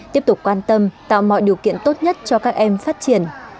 tiếp tục quan tâm tạo mọi điều kiện tốt nhất cho các em phát triển